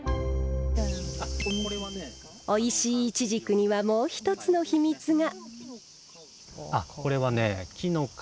おいしいいちじくにはもうひとつの秘密が。